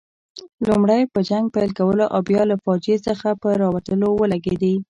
لومړی په جنګ پیل کولو او بیا له فاجعې څخه په راوتلو ولګېدې.